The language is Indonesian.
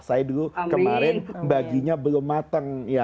saya dulu kemarin baginya belum matang